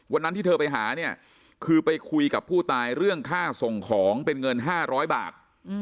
วันนั้นที่เธอไปหาเนี่ยคือไปคุยกับผู้ตายเรื่องค่าส่งของเป็นเงิน๕๐๐บาท